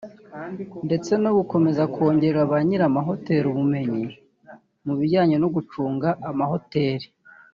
ndetse no gukomeza kongerera ba nyiri amahoteli ubumenyi mu bijyanye no gucunga amahoteli